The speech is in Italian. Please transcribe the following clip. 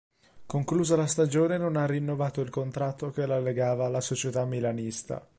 Conclusa la stagione, non ha rinnovato il contratto che la legava alla società milanista.